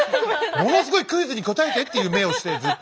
ものすごい「クイズに答えて！」っていう目をしてずっと。